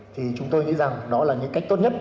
thì chúng tôi nghĩ rằng đó là những cách tốt nhất